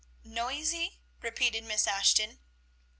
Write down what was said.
"Noisy!" repeated Miss Ashton.